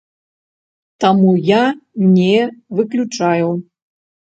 Таму я не выключаю.